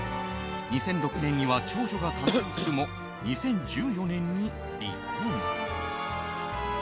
２００６年には長女が誕生するも２０１年に離婚。